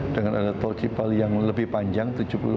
dengan ada tol kipal yang lebih panjang